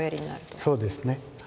そうですねはい。